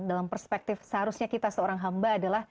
dalam perspektif seharusnya kita seorang hamba adalah